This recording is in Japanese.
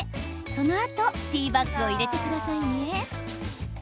そのあとティーバッグを入れてくださいね。